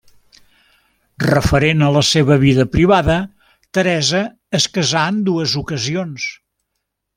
Referent a la seva vida privada, Teresa es casà en dues ocasions.